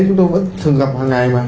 chúng tôi vẫn thường gặp hằng ngày mà